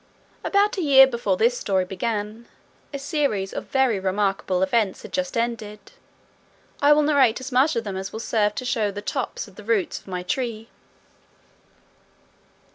About a year before this story began, a series of very remarkable events had just ended. I will narrate as much of them as will serve to show the tops of the roots of my tree.